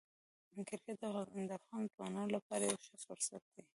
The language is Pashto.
کرکټ د افغان ځوانانو لپاره یو ښه فرصت دی.